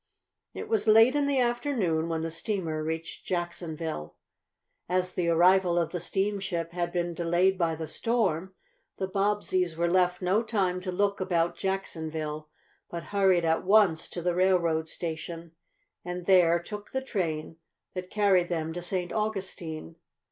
It was late in the afternoon when the steamer reached Jacksonville. As the arrival of the steamship had been delayed by the storm, the Bobbsey's were left no time to look about Jacksonville, but hurried at once to the railroad station, and there took the train that carried them to St. Augustine.